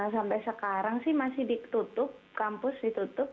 sampai sekarang sih masih ditutup kampus ditutup